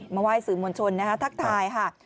มาไหว้สื่อมวลชนนะครับทักทายค่ะ